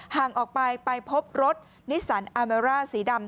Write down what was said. ห่างออกไปไปพบรถนิสันอาเมร่าสีดำ